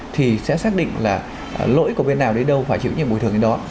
thì sẽ xác định là lỗi của bên nào đến đâu phải chịu những bồi thường như đó